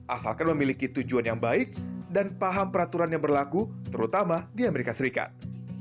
asalkan memiliki tujuan yang baik dan paham peraturan yang berlaku terutama di amerika serikat